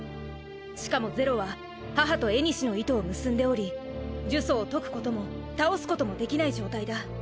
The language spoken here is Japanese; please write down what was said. しかも是露は母と縁の糸を結んでおり呪詛を解くことも倒すこともできない状態だ。